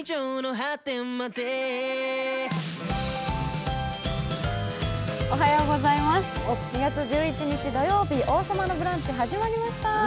２月１１日土曜日、「王様のブランチ」始まりました。